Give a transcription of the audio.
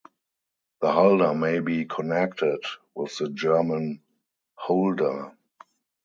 The hulder may be connected with the German "holda".